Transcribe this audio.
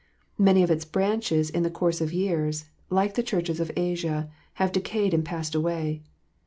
Many of its branches in the course of years, like the Churches of Asia, have decayed and passed away.